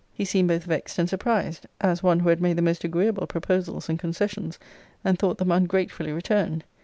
He seemed both vexed and surprised, as one who had made the most agreeable proposals and concessions, and thought them ungratefully returned.